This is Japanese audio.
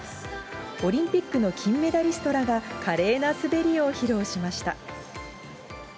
オリンピックの金メダリストらが華麗な滑りを披露しました。